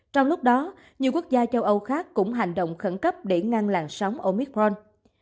trong lúc đó nhiều quốc gia châu âu khác cũng hành động khẩn cấp để ngăn làn sóng omithon